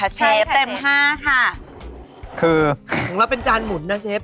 นี่พอพี่เป็นใจบ้านครับ